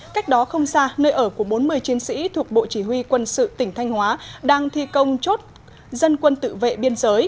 cách đó không xa nơi ở của bốn mươi chiến sĩ thuộc bộ chỉ huy quân sự tỉnh thanh hóa đang thi công chốt dân quân tự vệ biên giới